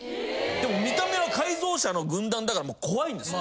・でも見た目は改造車の軍団だからもう怖いんですよ。